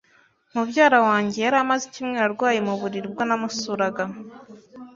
Mubyara wanjye yari amaze icyumweru arwaye mu buriri ubwo namusuraga.